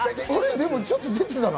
でもちょっと出てたな？